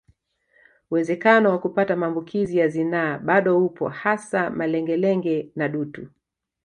Uwezekano wa kupata maambukizi ya zinaa bado upo hasa malengelenge na dutu